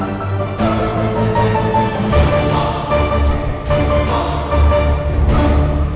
bagaimana kamu mengerti yang terjadi